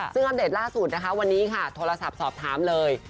ซึ่งอัปเดตล่าสุดนะคะวันนี้ค่ะโทรศัพท์สอบถามเลย